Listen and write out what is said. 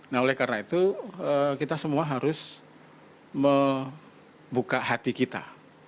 nah oleh karena itu kita semua harus membuka hati kita